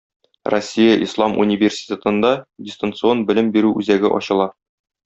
Россия ислам университетында Дистанцион белем бирү үзәге ачыла.